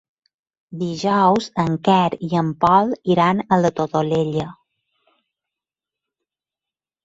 Dijous en Quer i en Pol iran a la Todolella.